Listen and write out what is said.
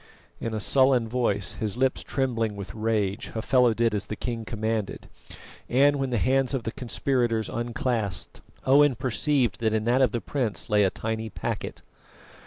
In a sullen voice, his lips trembling with rage, Hafela did as the king commanded; and when the hands of the conspirators unclasped, Owen perceived that in that of the prince lay a tiny packet.